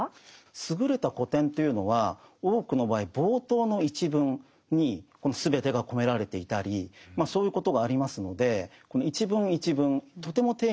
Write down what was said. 優れた古典というのは多くの場合冒頭の一文に全てが込められていたりそういうことがありますのでこの一文一文とても丁寧に読んでいくことが必要だと思います。